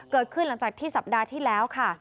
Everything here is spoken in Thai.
เกิดขึ้นหลังจากที่สัปดาห์ที่แล้วค่ะ